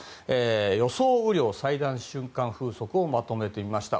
雨量、最大瞬間風速をまとめてみました。